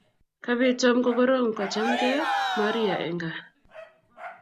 kapit tom kokorom kachemgei maria egn kaa